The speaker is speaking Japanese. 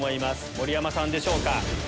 盛山さんでしょうか？